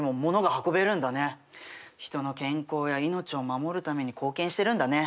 人の健康や命を守るために貢献してるんだね。